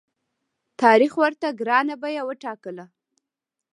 تاریخ ورته ګرانه بیه وټاکله.